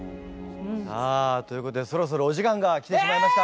さあということでそろそろお時間が来てしまいました。